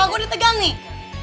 wah gue udah tegang nih